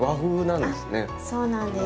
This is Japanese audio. そうなんです